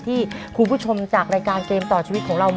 ที่คุณผู้ชมจากรายการเกมต่อชีวิตของเรา